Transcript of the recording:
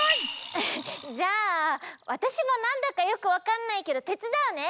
アハッじゃあわたしもなんだかよくわかんないけどてつだうね！